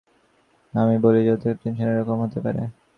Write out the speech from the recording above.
আমি বলি যে অতিরিক্ত টেনশনে এ-রকম হতে পারে।